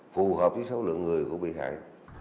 phù hợp với số lượng người của bị hại